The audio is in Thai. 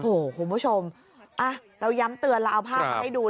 โอ้โหคุณผู้ชมเราย้ำเตือนเราเอาภาพมาให้ดู